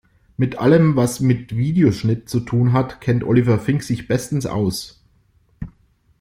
Mit allem, was mit Videoschnitt zu tun hat, kennt Oliver Fink sich bestens aus.